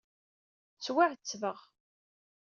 Ttwaɛettbeɣ.